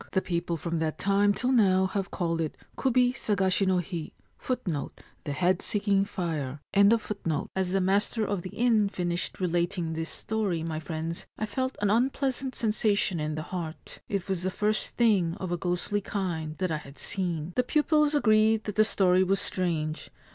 The people from that time till now have called it Kubi sagas hi no hi." l As the master of the inn finished relating this story, my friends, I felt an unpleasant sensation in the heart. It was the first thing of a ghostly kind that I had seen.' The pupils agreed that the story was strange.